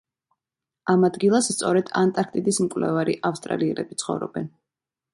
ამ ადგილას სწორედ ანტარქტიდის მკვლევარი ავსტრალიელები ცხოვრობენ.